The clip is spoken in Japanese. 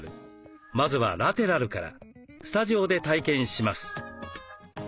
まずはラテラルからスタジオで体験します。